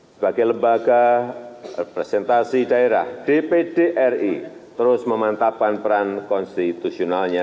sebagai lembaga representasi daerah dpri terus memantapkan peran konstitusionalnya